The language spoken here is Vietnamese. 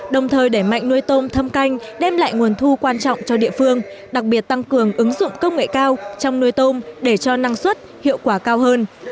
đồng thời để mạnh nuôi tôm thâm canh đem lại nguồn thu quan trọng cho địa phương đặc biệt tăng cường ứng dụng công nghệ cao trong nuôi tôm để cho năng suất hiệu quả cao hơn